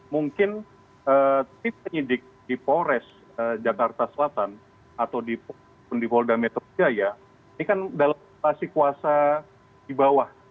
mungkin tim penyidik di polres jakarta selatan atau di polda metro jaya ini kan dalam situasi kuasa di bawah